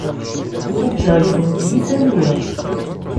Uggaɣ yewweḍ-d yisalli.